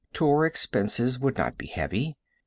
Tour expenses would not be heavy.